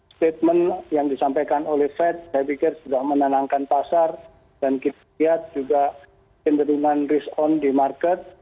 statement yang disampaikan oleh fed saya pikir sudah menenangkan pasar dan kita lihat juga cenderungan risk on di market